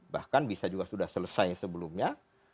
bahkan bisa juga sudah selesai sebelumnya